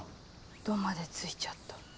「ど」まで付いちゃった。